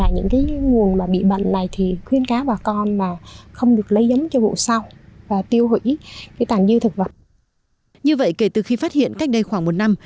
như vậy kể từ khi phát hiện cách đây khoảng một năm